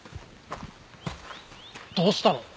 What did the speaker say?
どうしたの？